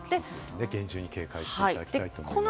厳重に警戒していただきたいと思います。